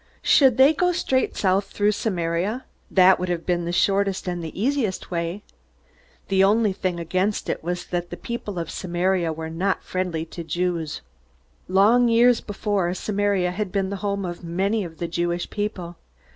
Should they go straight south through Samaria? That would have been the shortest and the easiest way. The only thing against it was that the people of Samaria were not friendly to Jews. Long years before, Samaria had been the home of many of the Jewish people.